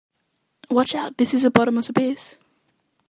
Watch out, this is a bottomless abyss!